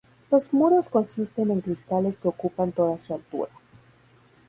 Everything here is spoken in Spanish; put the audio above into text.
Los muros consisten en cristales que ocupan toda su altura.